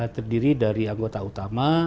terdiri dari anggota utama